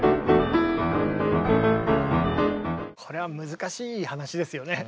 これは難しい話ですよね。